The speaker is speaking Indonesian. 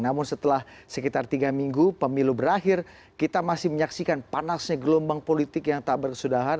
namun setelah sekitar tiga minggu pemilu berakhir kita masih menyaksikan panasnya gelombang politik yang tak berkesudahan